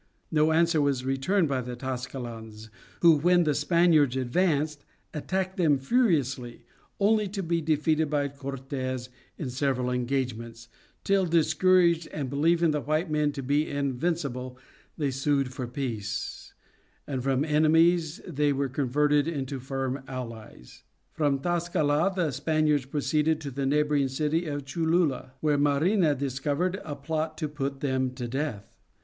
No answer was returned by the Tlascalans who when the Spaniards advanced attacked them furiously, only to be defeated by Cortes in several engagements, till, discouraged and believing the white men to be invincible, they sued for peace, and from enemies were converted into firm allies. From Tlascala the Spaniards proceeded to the neighboring city of Cholula where Marina discovered a plot to put them to death.